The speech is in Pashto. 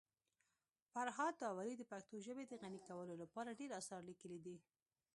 فرهاد داوري د پښتو ژبي د غني کولو لپاره ډير اثار لیکلي دي.